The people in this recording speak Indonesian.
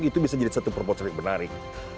itu bisa jadi satu proporsi yang menarik